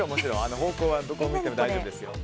方向はどこを向いても大丈夫です。